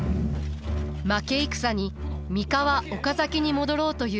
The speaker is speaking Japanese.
負け戦に三河岡崎に戻ろうという家臣たち。